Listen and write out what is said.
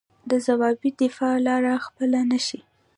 د ځوابي دفاع لاره خپله نه شي.